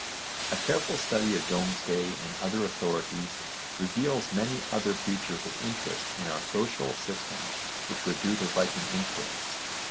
A careful study of Domesday and other authorities reveals many other features of interest in our social system which were due to Viking influence.